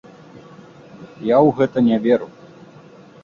Я ў гэта не веру.